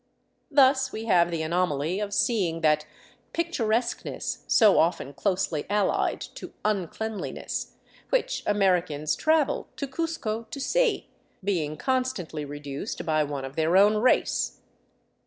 Thus we have the anomaly of seeing that " picturesqueness," so often closely allied to uncleanliness, which Amer icans travel to Cuzco to see, being constantly reduced by one of their own race.